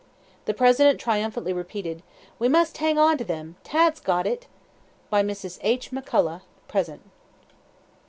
The President triumphantly repeated: "We must hang on to them! Tad's got it!" (By Mrs. H. McCulloch, present.)